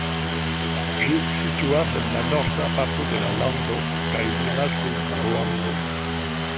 Ĝi situas en la norda parto de la lando, kaj limas kun Ruando.